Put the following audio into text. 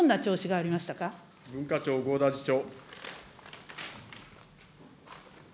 文化庁、合田次長。